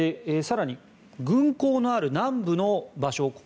更に、軍港のある南部の場所